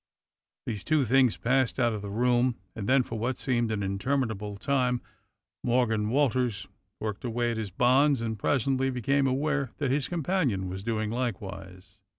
These two things passed out of the room, and then for what seemed an interminable time Morgan Walters worked away at his bonds, and presently became aware that his companion was doing likewise.